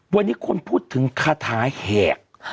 วันนี้คนพูดถึงคาถาแหก